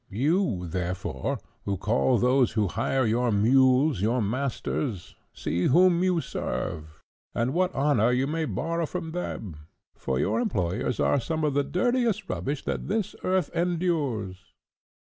You, therefore, who call those who hire your mules your masters, see whom you serve, and what honour you may borrow from them; for your employers are some of the dirtiest rubbish that this earth endures.